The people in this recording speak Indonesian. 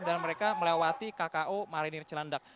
dan mereka melewati kko marinir cilandak